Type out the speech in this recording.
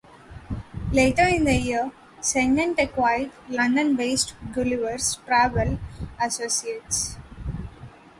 Later in the year, Cendant acquired London based Gullivers Travel Associates.